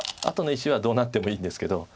あとの石はどうなってもいいんですけど。